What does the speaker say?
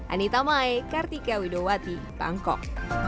anita mae kartika widowati bangkok